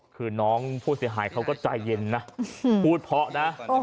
คือน้องผู้เสียหายเขาก็ใจเย็นนะพูดเพราะนะ